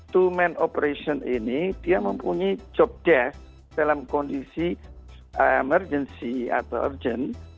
to man operation ini dia mempunyai job desk dalam kondisi emergency atau urgent